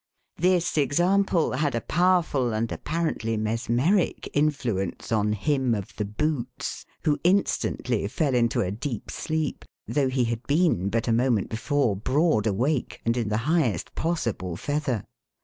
This example had a powerful, and apparently, mesmeric influence on him of the boots, who instantly fell into a deep sleep, though he had been, but a moment before, broad awake, and in the highest possible feather.